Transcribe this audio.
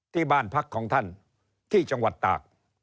ที่บ้านพักของท่านที่จังหวัดตาก